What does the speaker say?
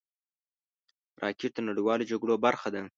راکټ د نړیوالو جګړو برخه ده